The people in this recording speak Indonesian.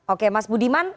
oke mas budiman